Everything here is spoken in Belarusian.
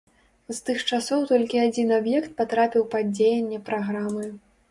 З тых часоў толькі адзін аб'ект патрапіў пад дзеянне праграмы.